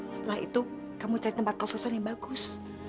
setelah itu kamu cari tempat kos hutan yang bagus